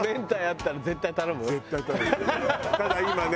ただ今ね